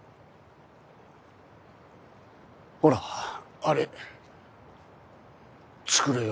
ほらあれ作れよ。